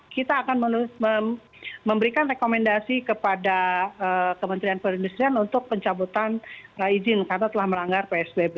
kita akan memberikan rekomendasi kepada kementerian perindustrian untuk pencabutan izin karena telah melanggar psbb